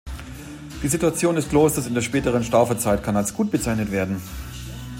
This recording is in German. Die Situation des Klosters in der späteren Stauferzeit kann als gut bezeichnet werden.